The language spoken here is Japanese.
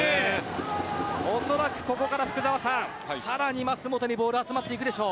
おそらく、ここからさらに舛本にボールが集まっていくでしょう。